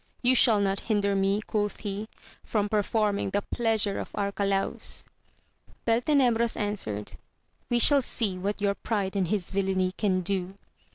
You shall not hinder me, quoth he, from performing the pleasure of Arcalaus. Beltenebros answered. We shall see what your pride and his villainy can do.